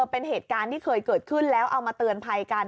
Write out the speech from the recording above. เป็นเหตุการณ์ที่เคยเกิดขึ้นแล้วเอามาเตือนภัยกัน